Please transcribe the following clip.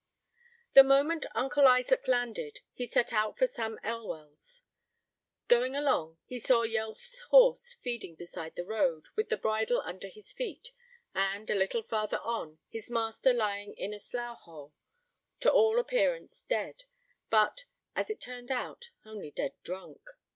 The moment Uncle Isaac landed, he set out for Sam Elwell's. Going along, he saw Yelf's horse feeding beside the road, with the bridle under his feet, and, a little farther on, his master lying in a slough hole, to all appearance dead, but, as it turned out, only dead drunk.